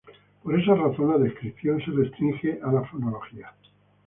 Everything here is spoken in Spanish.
Por esa razón, la descripción se restringe a la fonología.